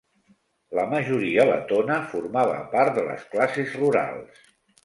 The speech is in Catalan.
La majoria letona formava part de les classes rurals.